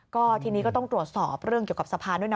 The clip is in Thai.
ก็ทีนี้ก็ต้องตรวจสอบเรื่องเกี่ยวกับสะพานด้วยนะ